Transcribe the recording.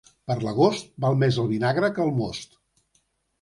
Per l'agost val més el vinagre que el most.